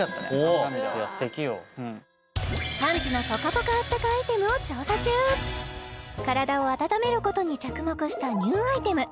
あの涙はハンズのぽかぽかあったかアイテムを調査中体を温めることに着目したニューアイテム